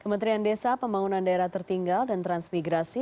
kementerian desa pembangunan daerah tertinggal dan transmigrasi